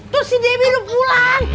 terus si debi lu pulang